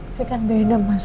tapi kan beda mas